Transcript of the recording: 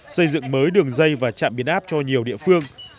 xây dựng mới đường dây và trạm biến áp cho nhiều địa phương